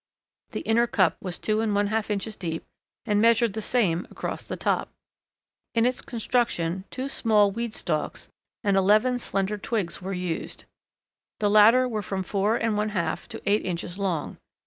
The inner cup was two and one half inches deep, and measured the same across the top. In its construction two small weed stalks and eleven slender twigs were used. The latter were from four and one half to eight inches long.